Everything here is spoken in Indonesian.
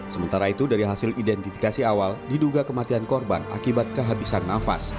sementara itu dari hasil identifikasi awal diduga kematian korban akibat kehabisan nafas